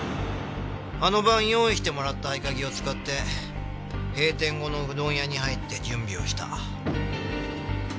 あの晩用意してもらった合鍵を使って閉店後のうどん屋に入って準備をした。